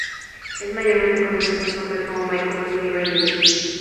Es mayormente conocido por su papel como Michael Sullivan Jr.